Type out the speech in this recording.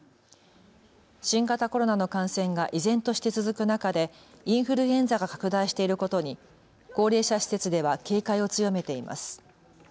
新型コロナの感染が依然として続く中でインフルエンザが拡大していることに高齢者施設では警戒を強めています。